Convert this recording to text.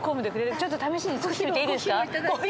ちょっと試しに作ってみていいですか？